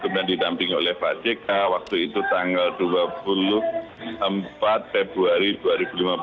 kemudian didampingi oleh pak jk waktu itu tanggal dua puluh empat februari dua ribu lima belas